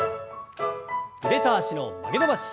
腕と脚の曲げ伸ばし。